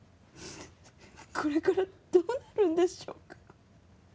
これからどうなるんでしょうか。